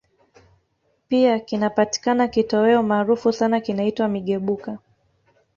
Pia kinapatikana kitoweo maarufu sana kinaitwa Migebuka